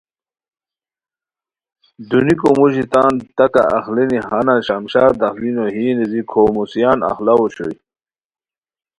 دونیکو موژی تان تکہ اخلینی ہانا شمشاد اخلینیو یی نیزی کھو مو سیان اخلاؤ اوشوئے